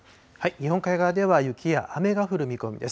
日本海側では雪や雨が降る見込みです。